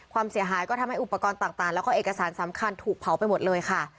ความเสียหายก็ทำให้อุปกรณ์ต่างแล้วก็เอกสารสำคัญถูกเผาไปหมดเลยค่ะ